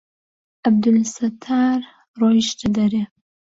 عەبدولستار ڕۆیشتە دەرێ.